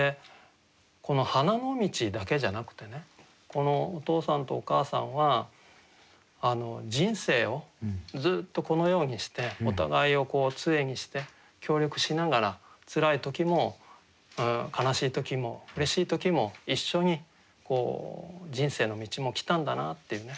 このお父さんとお母さんは人生をずっとこのようにしてお互いをこう杖にして協力しながらつらい時も悲しい時もうれしい時も一緒に人生の道も来たんだなっていうね